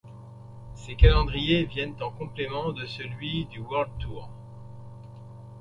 Ces calendriers viennent en complément de celui du World Tour.